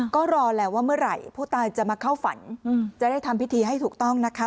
ก็รอแล้วว่าเมื่อไหร่ผู้ตายจะมาเข้าฝันจะได้ทำพิธีให้ถูกต้องนะคะ